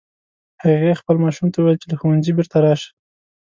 هغې خپل ماشوم ته وویل چې له ښوونځي بیرته راشه